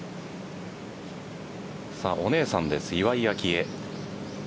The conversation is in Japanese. お姉さんです、岩井明愛。